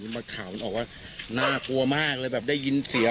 นี่มันจะเป็นแบบนี้